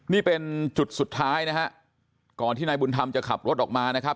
นี่เป็นจุดสุดท้ายนะฮะก่อนที่นายบุญธรรมจะขับรถออกมานะครับ